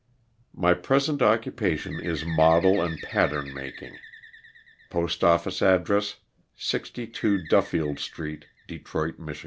My present occupation is model and pattern making. Postoffice address 62 Duffield street, Detroit, Mich.